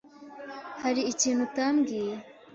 Hari ikintu utambwiye?